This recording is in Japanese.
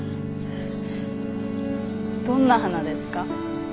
どんな花ですか？